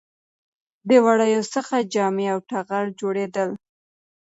د وړیو څخه جامې او ټغر جوړیدل